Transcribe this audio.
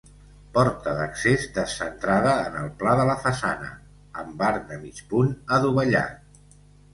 Porta d'accés, descentrada en el pla de la façana, amb arc de mig punt adovellat.